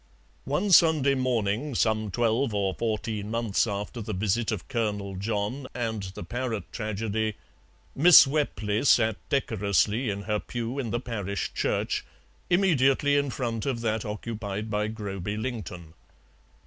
One Sunday morning, some twelve or fourteen months after the visit of Colonel John and the parrot tragedy, Miss Wepley sat decorously in her pew in the parish church, immediately in front of that occupied by Groby Lington.